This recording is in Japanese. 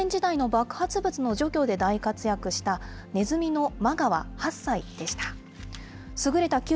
内戦時代の爆発物の除去で大活躍した、ネズミのマガワ８歳でした。